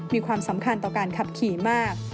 มีความสำคัญต่อการขับขี่มาก